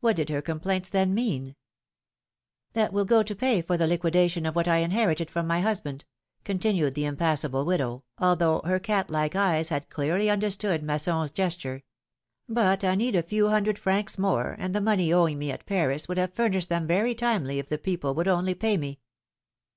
What did her complaints then mean ? ^^That will go to pay for the liquidation of what I inherited from my husband/^ continued the impassible widow, although her cat like eyes had clearly understood Masson's gesture; ^^but I need a few hundred francs more, and the money owing me at Paris would have furnished them very timely if the people would only pay me."